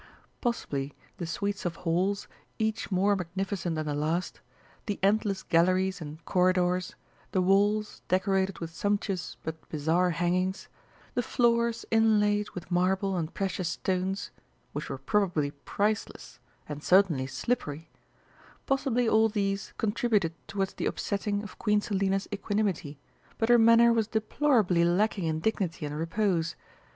Possibly the suites of halls, each more magnificent than the last, the endless galleries and corridors, the walls decorated with sumptuous but bizarre hangings, the floors inlaid with marble and precious stones which were probably priceless and certainly slippery possibly all these contributed towards the upsetting of Queen Selina's equanimity, but her manner was deplorably lacking in dignity and repose.